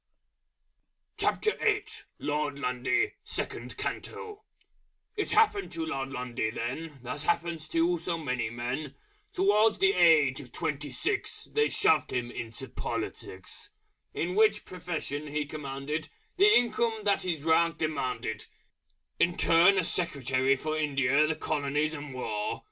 LORD LUNDY (SECOND CANTO) It happened to Lord Lundy then, As happens to so many men: Towards the age of twenty six, They shoved him into politics; In which profession he commanded The income that his rank demanded In turn as Secretary for India, the Colonies, and War.